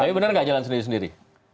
tapi benar nggak jalan sendiri sendiri